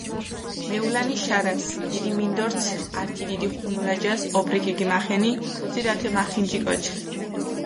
მეულანი შარას, დიდი მინდორც ართი დიდი ხუმულა ჯას ობრი ქიგიმახენი, ქოძირჷ ათე მახინჯი კოჩქჷ.